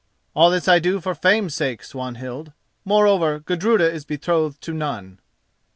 "All this I do for fame's sake, Swanhild. Moreover, Gudruda is betrothed to none."